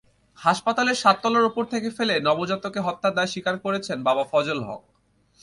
হাসপাতালের সাততলার ওপর থেকে ফেলে নবজাতককে হত্যার দায় স্বীকার করেছেন বাবা ফজল হক।